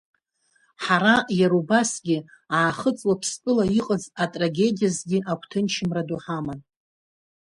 Ҳара, иара убасгьы Аахыҵ Уаԥстәыла иҟаз атрагедиагьызгьы агәҭынчымра ду ҳаман.